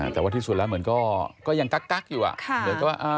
แต่ว่าที่สุดก็ยังกิ๊กอยู่